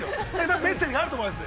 メッセージがあると思います。